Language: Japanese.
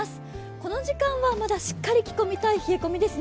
この時間はまだしっかり着込みたい冷え込みですね。